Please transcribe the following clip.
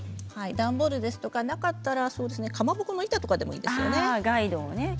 段ボールですとかなかったら、かまぼこの板でもいいですね。